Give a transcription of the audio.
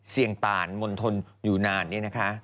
เซียงต่านมณฑลยูนานนี่นะฮะ